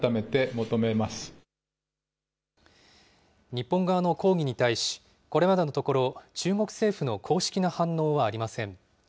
日本側の抗議に対し、これまでのところ、中国政府の公式な反応はありません。